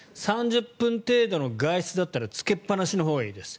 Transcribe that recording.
３０分程度の外出だったらつけっぱなしのほうがいいです。